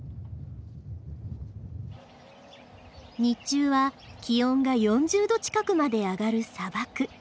日中は気温が４０度近くまで上がる砂漠。